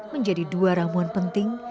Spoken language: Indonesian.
menjadi dua ramuan penting